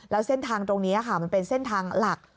แล้วเส้นทางตรงนี้ค่ะมันเป็นเส้นทางหลัก